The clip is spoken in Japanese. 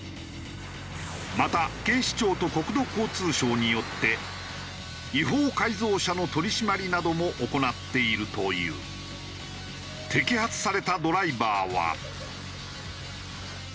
また警視庁と国土交通省によって違法改造車の取り締まりなども行っているという。と自分勝手な答えが。